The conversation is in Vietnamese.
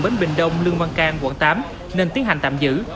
bến bình đông lương văn can quận tám nên tiến hành tạm giữ